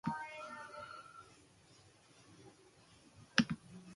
Eman dezagun lortutzat nozio hori.